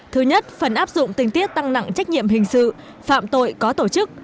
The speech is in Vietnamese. thứ nhất phần áp dụng tình tiết tăng nặng trách nhiệm hình sự phạm tội có tổ chức